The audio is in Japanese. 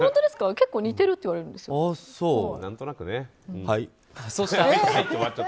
結構似てるっていわれるんですよ。